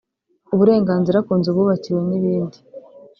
uburenganzira ku nzu bubakiwe n’ibindi